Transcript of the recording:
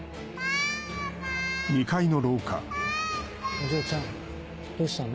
お嬢ちゃんどうしたの？